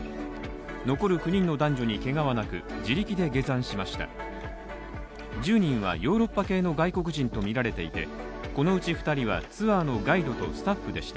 残る９人の男女にけがはなく、自力で下山しました。